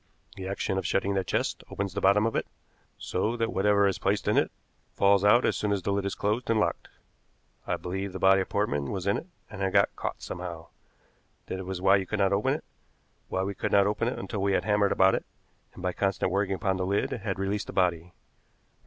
The action of shutting that chest opens the bottom of it, so that whatever is placed in it falls out as soon as the lid is closed and locked. I believe the body of Portman was in it and had got caught somehow that was why you could not open it, why we could not open it until we had hammered it about, and by constant working upon the lid had released the body.